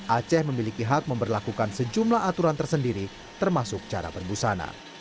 aceh memiliki hak memperlakukan sejumlah aturan tersendiri termasuk cara berbusana